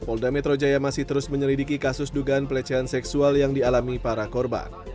polda metro jaya masih terus menyelidiki kasus dugaan pelecehan seksual yang dialami para korban